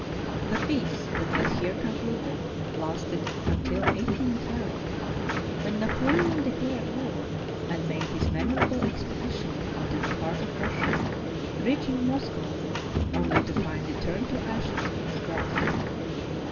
The peace that was here concluded lasted until 181 2, when Napoleon declared war and made his memorable expe dition into the heart of Russia, reaching Moscow only to find it turn to ashes in his grasp.